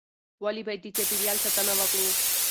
ولې باید د چاپیریال ساتنه وکړو؟